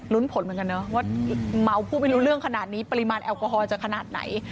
ผลเหมือนกันนะว่าเมาพูดไม่รู้เรื่องขนาดนี้ปริมาณแอลกอฮอลจะขนาดไหน